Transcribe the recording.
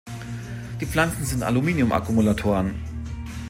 Die Pflanzen sind Aluminium-Akkumulatoren.